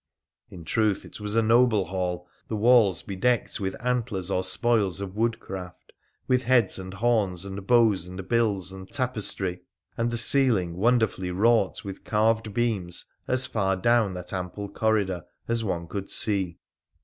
In truth, it was a noble hall, the walls bedecked with antlers or spoils of woodcraft, with heads and horns and bows and bills, and tapestry ; and the ceiling wonderfully wrought with carved beams as far down that ample corridor as one could see.